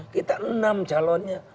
kita enam calonnya